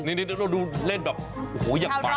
นี่ดูเล่นแบบโอ้โหอย่าปัก